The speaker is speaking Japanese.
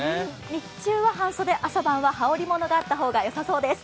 日中は半袖、朝晩は羽織物があった方がよさそうです。